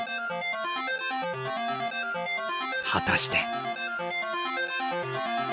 果たして。